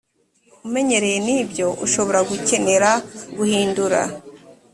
umenyereye n ibyo ushobora gukenera guhindura